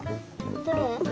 どれ？